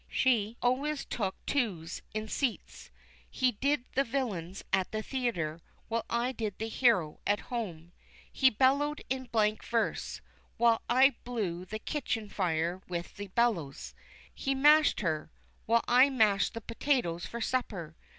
She always took "twos" in seats. He did the villains at the theatre, while I did the hero at home. He bellowed in blank verse, while I blew the kitchen fire with the bellows. He mashed her, while I mashed the potatoes for supper.